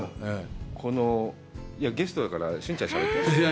ゲストだから、俊ちゃんしゃべって。